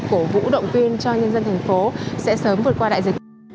cổ vũ động viên cho nhân dân thành phố sẽ sớm vượt qua đại dịch